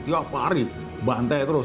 tiap hari bantai terus